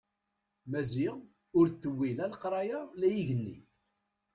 Maziɣ ur t-tewwi la lqaɛa la igenni.